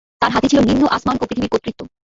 তার হাতে ছিল নিম্ন আসমান ও পৃথিবীর কর্তৃত্ব।